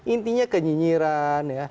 intinya kenyinyiran ya